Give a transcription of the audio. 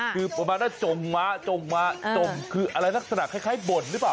คือประมาณนั้นจมวะจมวะจมคืออะไรทักษณะคล้ายบ่นหรือเปล่า